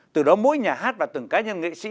từ đó mỗi nhà hát và từng cá nhân nghệ sĩ